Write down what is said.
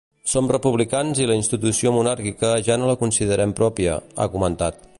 Som republicans i la institució monàrquica ja no la considerem pròpia, ha comentat.